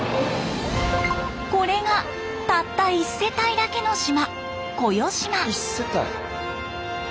これがたった１世帯だけの島小与島。